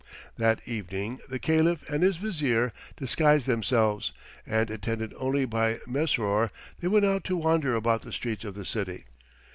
That evening the Caliph and his Vizier disguised themselves, and, attended only by Mesrour, they went out to wander about the streets of the city.